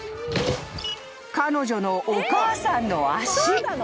［彼女のお母さんの足］